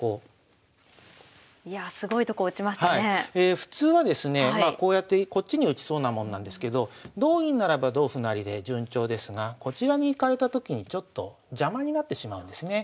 普通はですねまあこうやってこっちに打ちそうなもんなんですけど同銀ならば同歩成で順調ですがこちらに行かれたときにちょっと邪魔になってしまうんですね。